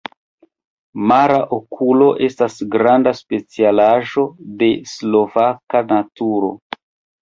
Mara okulo estas granda specialaĵo de slovaka naturo.